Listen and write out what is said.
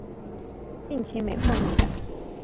病情每下愈况